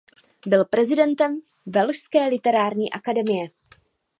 Byl prezidentem velšské literární akademie.